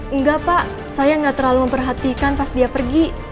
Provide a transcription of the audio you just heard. enggak pak saya gak terlalu memperhatikan pas dia pergi